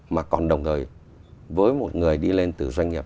mà còn đồng thời với một người đi lên từ doanh nghiệp